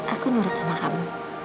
aku nurut sama kamu